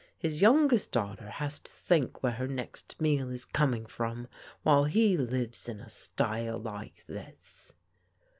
" His youngest daughter has to think where her next meal is comiiig from while he lives in a style like this."